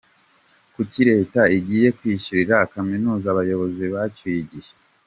Kuki Leta igiye kwishyurira kaminuza abayobozi bacyuye igihe?.